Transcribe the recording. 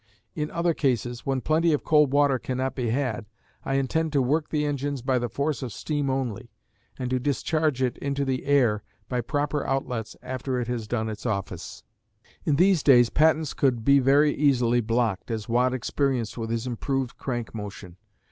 In other cases, when plenty of cold water cannot be had, I intend to work the engines by the force of steam only, and to discharge it into the air by proper outlets after it has done its office. In these days patents could be very easily blocked, as Watt experienced with his improved crank motion.